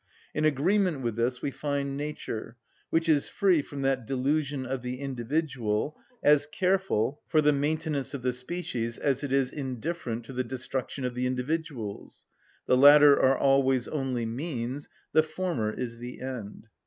In agreement with this we find nature, which is free from that delusion of the individual, as careful for the maintenance of the species as it is indifferent to the destruction of the individuals: the latter are always only means, the former is the end.